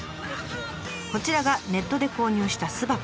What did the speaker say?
こちらがネットで購入した巣箱。